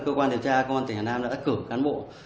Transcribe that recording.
cơ quan điều tra công an tỉnh hà nam đã đắc cử cán bộ